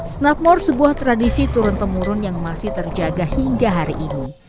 snapmore sebuah tradisi turun temurun yang masih terjaga hingga hari ini